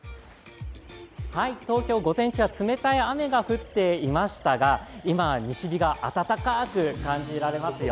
東京、午前中は冷たい雨が降っていましたが今は西日が暖かく感じられますよ。